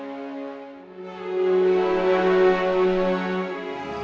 akhirnya timnya sudah mem hitam